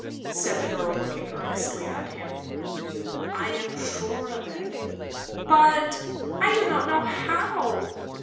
said the girl looking earnestly at him. "I am sure of it." "But do I know how?"